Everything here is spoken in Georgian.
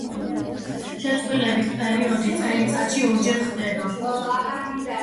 შეწყვილების პერიოდი წელიწადში ორჯერ ხდება.